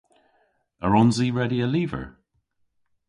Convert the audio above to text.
A wrons i redya lyver?